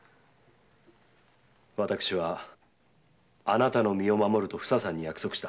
私はあなたの身を守るとふささんに約束した。